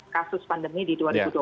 kasus pandemi di dua ribu dua puluh